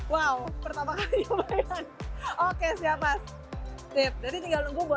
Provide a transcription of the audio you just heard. wow pertama kali nyobain